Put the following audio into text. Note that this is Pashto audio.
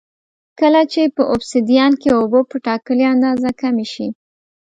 کله چې په اوبسیدیان کې اوبه په ټاکلې اندازه کمې شي